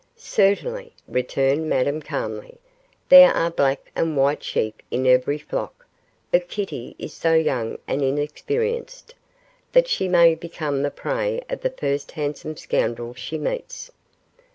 'Certainly,' returned Madame, calmly, 'there are black and white sheep in every flock, but Kitty is so young and inexperienced, that she may become the prey of the first handsome scoundrel she meets.